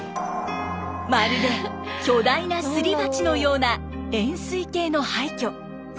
まるで巨大なすり鉢のような円すい形の廃虚。